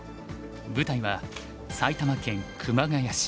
舞台は埼玉県熊谷市。